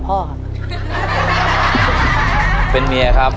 ตัวเลือกที่สี่ชัชวอนโมกศรีครับ